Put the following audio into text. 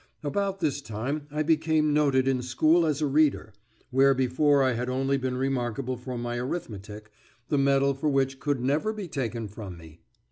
About this time I became noted in school as a reader, where before I had only been remarkable for my arithmetic, the medal for which could never be taken from me.